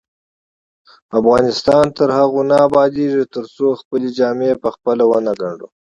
افغانستان تر هغو نه ابادیږي، ترڅو خپلې جامې پخپله ونه ګنډو.